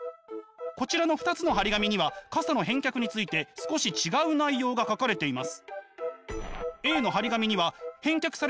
こちらの２つの貼り紙には傘の返却について少し違う内容が書かれています。